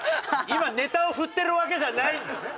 今ネタを振ってるわけじゃないの！